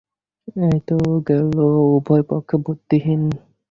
এই তো গেল উভয় পক্ষের বুদ্ধিহীন বহির্দৃষ্টি লোকের কথা।